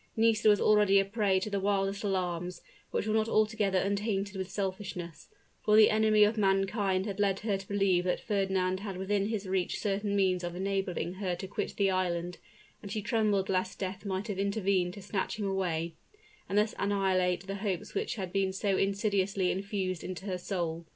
Nisida was already a prey to the wildest alarms, which were not altogether untainted with selfishness; for the enemy of mankind had led her to believe that Wagner had within his reach certain means of enabling her to quit the island, and she trembled lest death might have intervened to snatch him away, and thus annihilate the hopes which had been so insidiously infused into her soul.